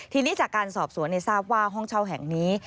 ทีนี้จากการสอบสวนทราบว่าห้องเช่าแห่งนี้